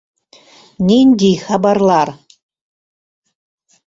Ниндий хабарлар?